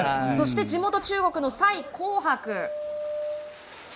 そして地元中国の斉広璞。